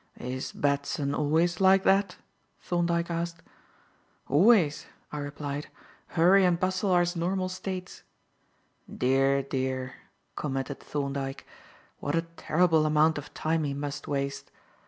"Is Batson always like that?" Thorndyke asked. "Always," I replied. "Hurry and bustle are his normal states." "Dear, dear," commented Thorndyke, "what a terrible amount of time he must waste.